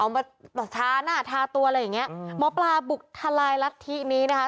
มาทาหน้าทาตัวอะไรอย่างเงี้ยหมอปลาบุกทลายรัฐธินี้นะคะ